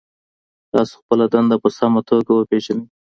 تاسو خپله دنده په سمه توګه وپېژنئ.